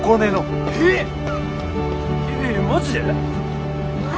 マジで？